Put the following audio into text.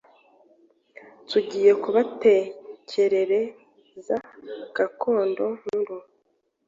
tugiye kubatekerere za gakondo nkuru